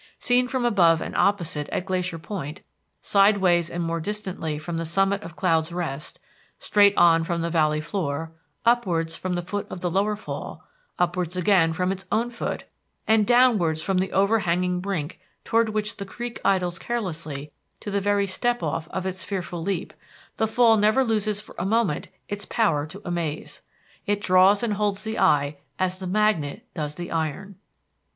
Seen from above and opposite at Glacier Point, sideways and more distantly from the summit of Cloud's Rest, straight on from the valley floor, upwards from the foot of the Lower Fall, upwards again from its own foot, and downwards from the overhanging brink toward which the creek idles carelessly to the very step off of its fearful leap, the Fall never loses for a moment its power to amaze. It draws and holds the eye as the magnet does the iron.